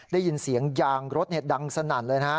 ได้ยินเสียงยางรถดังสนั่นเลยนะฮะ